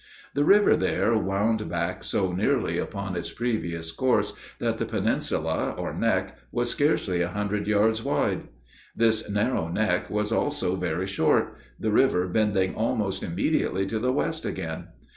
The river there wound back so nearly upon its previous course that the peninsula, or "neck," was scarcely a hundred yards wide. This narrow neck was also very short, the river bending almost immediately to the west again.